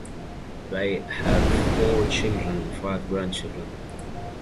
They have four children and five grandchildren.